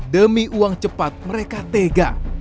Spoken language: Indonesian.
demi uang cepat mereka tega